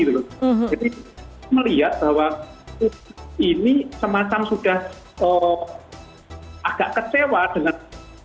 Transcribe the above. jadi melihat bahwa ini semacam sudah agak kecewa dengan